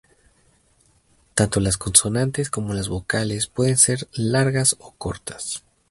Tanto las consonantes como las vocales pueden ser largas o cortas.